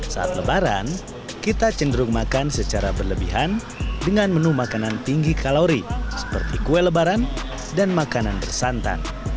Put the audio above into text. saat lebaran kita cenderung makan secara berlebihan dengan menu makanan tinggi kalori seperti kue lebaran dan makanan bersantan